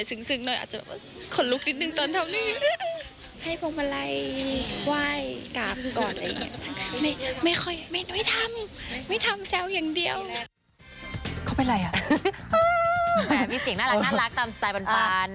มีเสียงน่ารักตามสไตล์ปัน